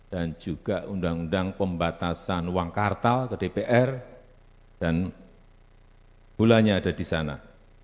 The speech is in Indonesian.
dan juga undang undang pembatasan uang kartal ke dpr dan bulannya ada di sana